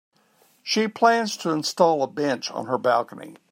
She plans to install a bench on her balcony.